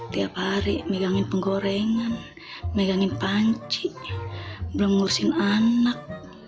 tiap hari megangin penggorengan megangin panci belum ngurusin anak